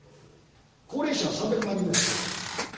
高齢者は３００万人ぐらい増えます。